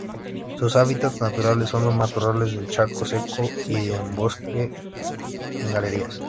Sus hábitats naturales son matorrales del Chaco seco y en bosques en galería.